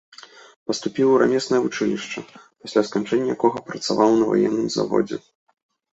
Паступіў у рамеснае вучылішча, пасля сканчэння якога працаваў на ваенным заводзе.